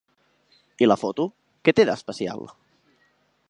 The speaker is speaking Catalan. I la foto què té d'especial?